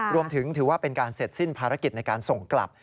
รวมถึงถือว่าเป็นการเสร็จสิ้นภารกิจในการส่งกลับ